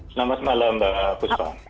selamat malam mbak